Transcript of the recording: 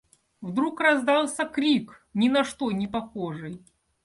Вдруг раздался крик, ни на что не похожий.